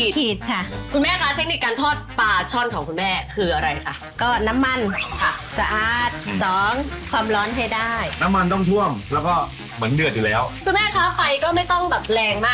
มีวิตภาวิตภาวิตภาวิตบิลลินลูกไพรน